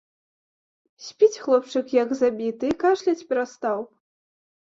Спіць хлопчык, як забіты, і кашляць перастаў.